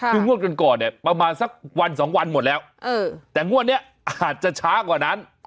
คืองวดก่อนเนี่ยประมาณสักวันสองวันหมดแล้วแต่งวดนี้อาจจะช้ากว่านั้น